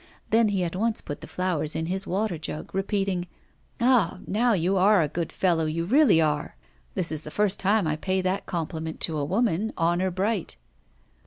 Then he at once put the flowers in his water jug, repeating: 'Ah! now you are a good fellow, you really are. This is the first time I pay that compliment to a woman, honour bright.